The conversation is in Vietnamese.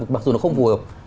mặc dù nó không phù hợp